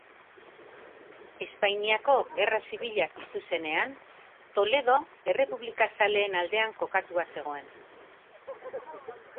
Espainiako Gerra Zibila piztu zenean, Toledo errepublikazaleen aldean kokatua zegoen.